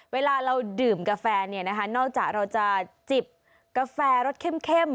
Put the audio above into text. เวลาเราดื่มกาแฟเนี่ยนะคะนอกจากเราจะจิบกาแฟรสเข้ม